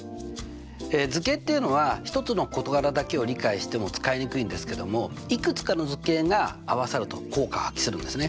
図形っていうのは一つの事柄だけを理解しても使いにくいんですけどもいくつかの図形が合わさると効果を発揮するんですね。